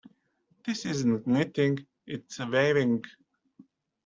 This isn't knitting, it's weaving.